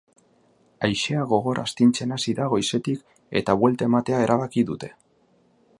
Haizea gogor astintzen hasi da goizetik eta buelta ematea erabaki dute.